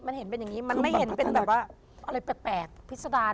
มันเห็นเป็นอย่างนี้มันไม่เห็นเป็นแบบว่าอะไรแปลกพิษดาร